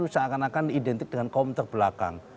ini kan akan akan identik dengan kaum terbelakang